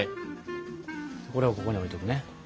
これはここに置いとくね。